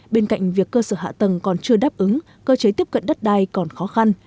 bên cạnh việc cơ sở hạ tầng còn chưa đáp ứng cơ chế tiếp cận đất đai còn khó khăn